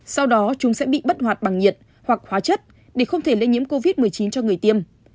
sau đó chúng sẽ bị bất hoạt bằng nhiệt hoặc hóa chất để không thể lây nhiễm covid một mươi chín cho người tiêm